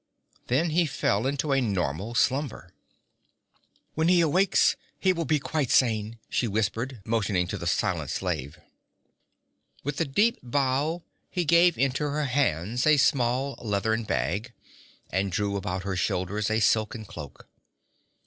Then he fell into a normal slumber. 'When he awakes he will be quite sane,' she whispered, motioning to the silent slave. With a deep bow he gave into her hands a small leathern bag, and drew about her shoulders a silken cloak.